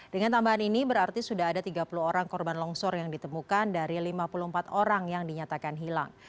dengan tambahan ini berarti sudah ada tiga puluh orang korban longsor yang ditemukan dari lima puluh empat orang yang dinyatakan hilang